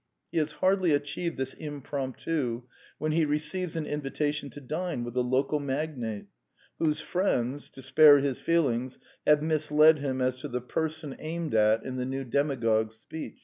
He has hardly achieved this impromptu when he receives an invitation to dine with the local magnate, whose friends, to 84 The Quintessence of Ibsenism spare his feelings, have misled him as to the per son aimed at in the new demagogue's speech.